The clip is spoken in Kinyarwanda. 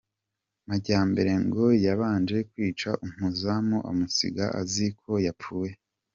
Majyambere ngo yabanje kwica umuzamu, amusiga azi ko yapfuye.